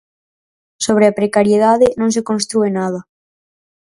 Sobre a precariedade non se constrúe nada.